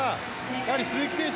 やはり鈴木選手